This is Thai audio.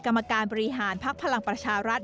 กรรมการบริหารภักดิ์พลังประชารัฐ